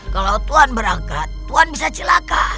kalau tuhan berangkat tuhan bisa celaka